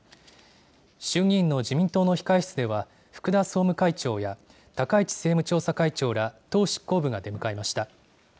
衆議院の自民党の控え室では、福田総務会長や、高市政務調査会長ら、党執行部が出迎えました。